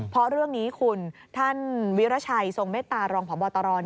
เพราะเรื่องนี้คุณท่านวิราชัยทรงเมตตารองพบตร